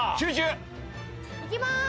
いきます！